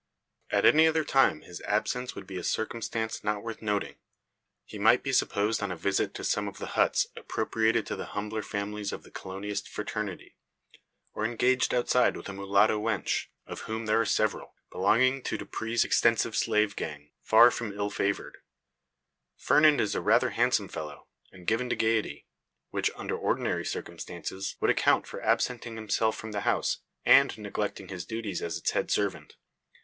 At any other time his absence would be a circumstance not worth noting. He might be supposed on a visit to some of the huts appropriated to the humbler families of the colonist fraternity. Or engaged outside with a mulatto "wench," of whom there are several, belonging to Dupre's extensive slave gang, far from ill favoured. Fernand is rather a handsome fellow, and given to gaiety; which, under ordinary circumstances, would account for his absenting himself from the house, and neglecting his duties as its head servant.